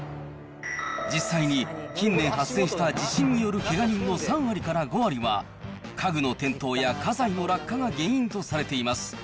実際に近年発生した地震によるけが人の３割から５割は、家具の転倒や家財の落下が原因とされています。